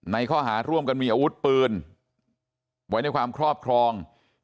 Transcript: ข้อหาร่วมกันมีอาวุธปืนไว้ในความครอบครอง